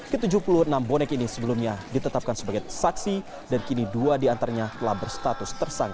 ke tujuh puluh enam bonek ini sebelumnya ditetapkan sebagai saksi dan kini dua diantaranya telah berstatus tersangka